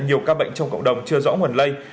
nhiều ca bệnh trong cộng đồng chưa rõ nguồn lây